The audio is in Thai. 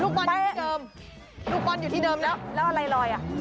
อยู่ที่เดิมลูกบอลอยู่ที่เดิมแล้วแล้วอะไรลอยอ่ะ